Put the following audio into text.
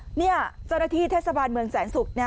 เจ้าหน้าที่เทศบาลเมืองแสนศุกร์